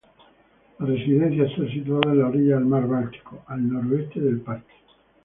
La residencia está situada en las orillas del mar Báltico, al noreste del parque.